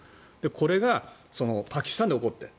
これがパキスタンで起こってる。